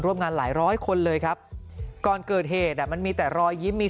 ร่วมงานหลายร้อยคนเลยครับก่อนเกิดเหตุอ่ะมันมีแต่รอยยิ้มมี